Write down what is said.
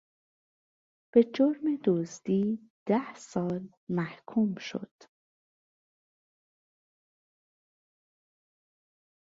به جرم دزدی ده سال محکوم شد.